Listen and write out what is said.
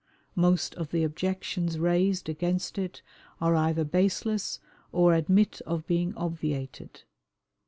Most of the objections raised against it are either baseless or admit of being obviated.